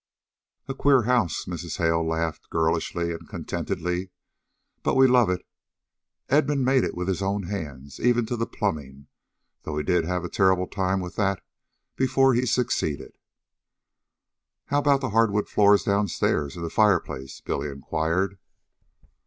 "A queer house," Mrs. Hale laughed girlishly and contentedly. "But we love it. Edmund made it with his own hands even to the plumbing, though he did have a terrible time with that before he succeeded." "How about that hardwood floor downstairs? an' the fireplace?" Billy inquired.